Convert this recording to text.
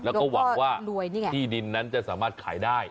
แล้วก็หวังว่าที่ดินนั้นจะสามารถขายได้